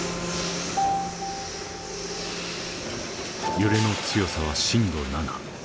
揺れの強さは震度７。